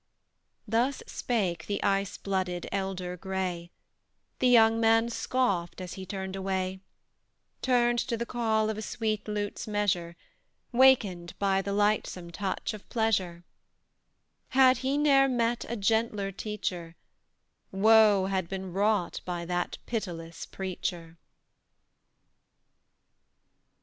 Thus spake the ice blooded elder gray; The young man scoffed as he turned away, Turned to the call of a sweet lute's measure, Waked by the lightsome touch of pleasure: Had he ne'er met a gentler teacher, Woe had been wrought by that pitiless preacher.